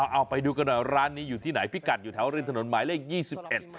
เอาไปดูกันหน่อยร้านนี้อยู่ที่ไหนพี่กัดอยู่แถวเรือนถนนหมายเลข๒๑